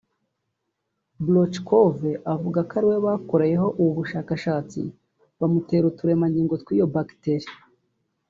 Brouchkov akavuga ko ariwe bakoreyeho ubu bushakashatsi bamutera uturemangingo tw’iyo bacterie